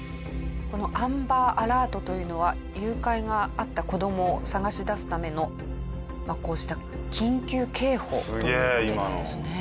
このアンバーアラートというのは誘拐があった子供を捜し出すためのこうした緊急警報という事なんですね。